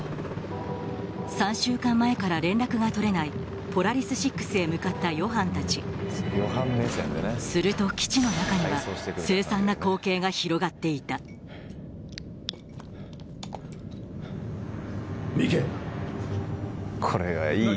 ３週間前から連絡が取れないポラリス６へ向かったヨハンたちすると基地の中には広がっていたこれはいい